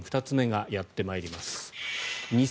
２つ目がやってまいります。